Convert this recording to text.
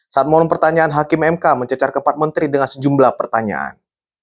saat mohon pertanyaan hakim mk mencecar empat menteri dengan sejumlah pertanyaan